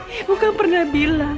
ibu kan pernah bilang